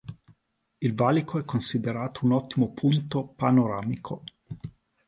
Il valico è considerato un ottimo punto panoramico.